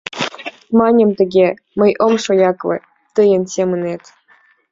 Маньым тыге, мый ом шоякле тыйын семынет.